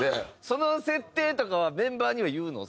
その設定とかはメンバーには言うの？